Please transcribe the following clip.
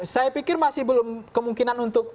saya pikir masih belum kemungkinan untuk